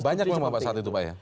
banyak memang saat itu pak ya